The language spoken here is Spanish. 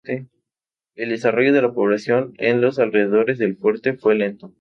El desarrollo de la población en los alrededores del fuerte fue lento.